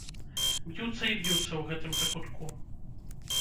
Б'юцца і б'юцца ў гэтым закутку.